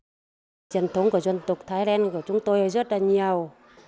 cái truyền thống của dân tộc thái đen của chúng tôi rất là nhiều